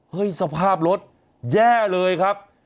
สภาพรถแย่เลยครับ